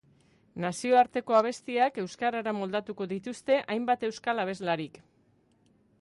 Nazioarteko abestiak euskarara moldatuko dituzte hainbat euskal abeslarik.